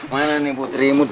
mana nih putri imut